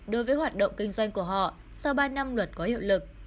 đối với hoạt động kinh doanh của họ sau ba năm luật có hiệu lực